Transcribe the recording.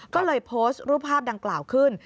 ก็เลยโพสต์รูปภาพดังกล่าวขึ้น